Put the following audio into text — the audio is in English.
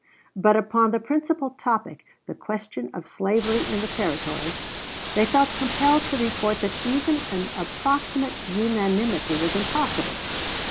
But upon the principal topic, the question of slavery in the Territories, they felt compelled to report that even an approximate unanimity was impossible.